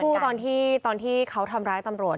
คือเมื่อสักครู่ตอนที่เขาทำร้ายตำรวจ